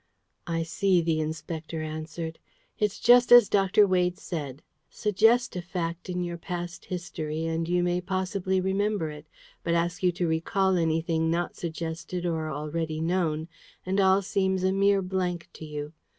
"I see," the Inspector answered. "It's just as Dr. Wade said. Suggest a fact in your past history, and you may possibly remember it; but ask you to recall anything not suggested or already known, and all seems a mere blank to you!